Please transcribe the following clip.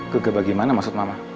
gegabah gimana maksud mama